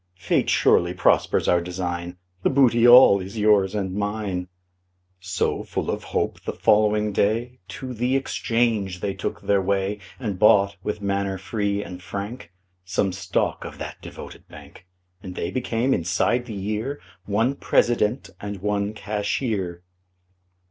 Fate surely prospers our design The booty all is yours and mine." So, full of hope, the following day To the exchange they took their way And bought, with manner free and frank, Some stock of that devoted bank; And they became, inside the year, One President and one Cashier.